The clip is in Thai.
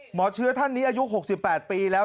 หมอเชื้อท่านนี้อายุ๖๘ปีแล้ว